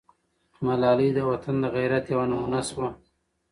ملالۍ د وطن د غیرت یوه نمونه سوه.